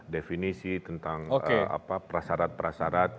definisi tentang prasarat prasarat